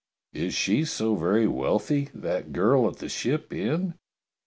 "Is she so very wealthy — that girl at the Ship Inn?